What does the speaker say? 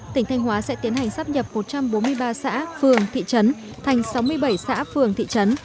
tỉnh thanh hóa sẽ tiến hành sắp nhập một trăm bốn mươi ba xã phường thị trấn thành sáu mươi bảy xã phường thị trấn